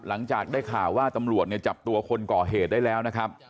หลังจากได้ข่าวว่าตำรวจเนี่ยจับตัวคนก่อเหตุได้แล้วนะครับ